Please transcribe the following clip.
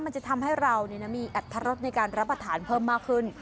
มันจะทำให้เรานี่นะมีอรรถรสในการรับอาหารเพิ่มมากขึ้น